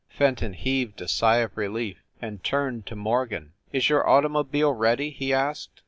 Fenton heaved a sigh of relief, and turned to Morgan. "Is your automobile ready ?" he asked.